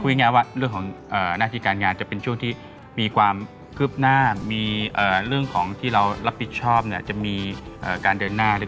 ง่ายว่าเรื่องของหน้าที่การงานจะเป็นช่วงที่มีความคืบหน้ามีเรื่องของที่เรารับผิดชอบเนี่ยจะมีการเดินหน้าหรือ